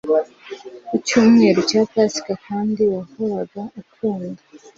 Ku cyumweru cya Pasika kandi wahoraga ukunda